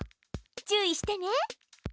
注意してね！